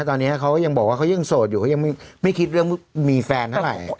ตอนนี้เขายังบอกว่าเขายังโสดอยู่เขายังไม่คิดเรื่องมีแฟนเท่าไหร่